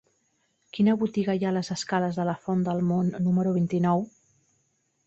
Quina botiga hi ha a les escales de la Font del Mont número vint-i-nou?